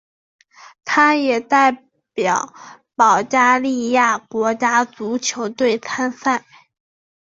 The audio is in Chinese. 他也代表保加利亚国家足球队参赛。